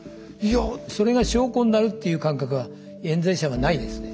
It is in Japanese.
それが証拠になるっていう感覚はえん罪者はないですね。